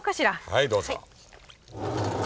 はいどうぞ。